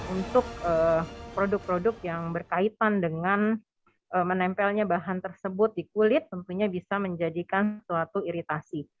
untuk produk produk yang berkaitan dengan menempelnya bahan tersebut di kulit tentunya bisa menjadikan suatu iritasi